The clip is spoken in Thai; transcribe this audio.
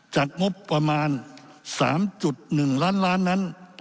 งบประมาณ๓๑ล้านล้านนั้น